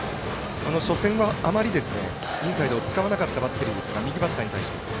初戦はあまりインサイドを使わなかったバッテリーですが右バッターに対して。